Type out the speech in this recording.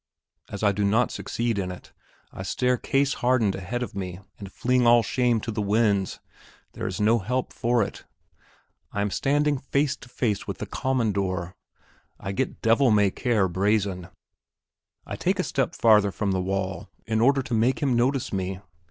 As I do not succeed in it, I stare case hardened ahead of me and fling all shame to the winds. There is no help for it. I am standing face to face with the "Commandor." I get devil may care brazen. I take yet a step farther from the wall in order to make him notice me.